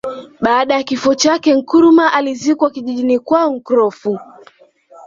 Baada ya kifo chake Nkrumah alizikwa kijijini kwao Nkrofu